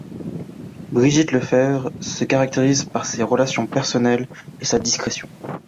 Brigitte Lefèvre se caractérise par ses relations personnelles et sa discrétion.